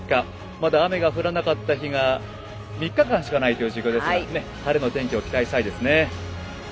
まだ雨が降らなかった日が３日間しかない状況ですが晴れの天気を期待したいですね。